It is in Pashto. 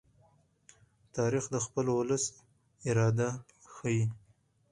تاریخ د خپل ولس اراده ښيي.